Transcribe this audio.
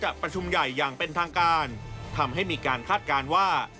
ประชุมใหญ่อย่างเป็นทางการทำให้มีการคาดการณ์ว่า